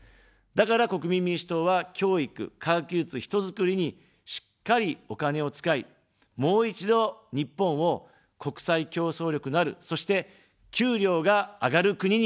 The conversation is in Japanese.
だから国民民主党は、教育、科学技術、人づくりに、しっかりお金を使い、もう一度、日本を、国際競争力のある、そして、給料が上がる国にしていきます。